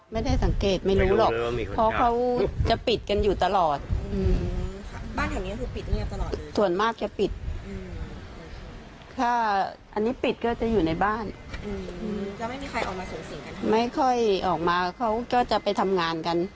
ไม่ค่อยออกมาเขาก็จะไปทำงานกัน